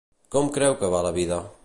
Com creu que va la vida?